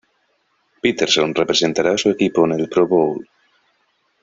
Peterson representará a su equipo en el Pro Bowl.